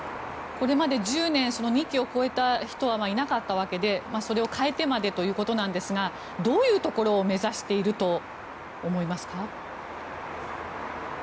これまで１０年２期を超えた人はいなかったわけで、それを変えてまでということなんですがどういうところを目指していると思いますか。